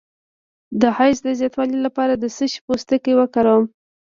د حیض د زیاتوالي لپاره د څه شي پوستکی وکاروم؟